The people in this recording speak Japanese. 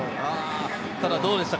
ただどうでしたか？